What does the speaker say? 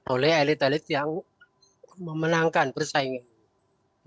oleh elit elit yang memenangkan persaingan